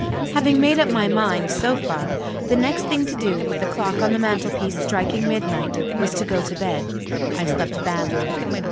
Having made up my mind, so far, the next thing to do (with the clock on the mantel piece striking midnight) was to go to bed. I slept badly.